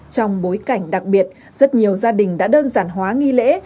trong bối cảnh đặc biệt rất nhiều gia đình đã đơn giản hóa nghi lễ